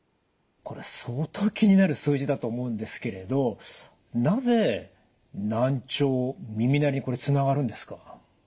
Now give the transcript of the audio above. これ相当気になる数字だと思うんですけれどなぜ難聴耳鳴りにこれつながるんですか？